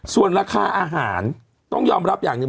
ส่วนราคาอาหารต้องยอมรับอย่างหนึ่ง